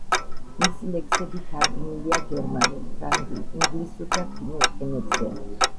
მისი ლექსები თარგმნილია გერმანულ, ფრანგულ, ინგლისურ და ფინურ ენებზე.